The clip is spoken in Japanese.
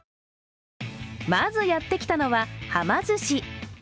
まずやってきたのは、はま寿司。